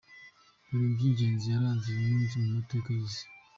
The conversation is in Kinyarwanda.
Ibintu by’ingenzi yaranze uyu munsi mu mateka y’isi:.